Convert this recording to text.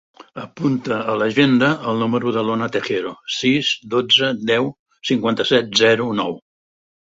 Apunta a l'agenda el número de l'Ona Tejero: sis, dotze, deu, cinquanta-set, zero, nou.